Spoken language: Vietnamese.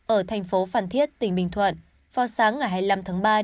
ở thành phố phàn thiết tỉnh bình thuận